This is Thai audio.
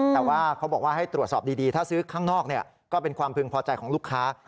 แต่ว่าเขาบอกว่าให้ตรวจสอบดีถ้าซื้อข้างนอกก็เป็นความพึงพอใจของลูกค้า